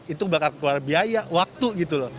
itu bakal keluar biaya waktu gitu loh